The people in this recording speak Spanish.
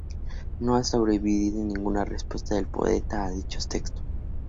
No ha sobrevivido ninguna respuesta del poeta a dichos textos.